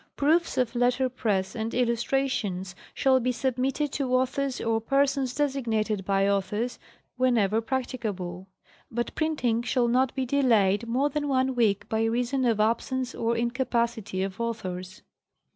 Proofs of letter press and illus trations shall be submitted to authors or persons designated by . authors whenever practicable ; but printing shall not be delayed more that one week by reason of absence or incapacity of authors.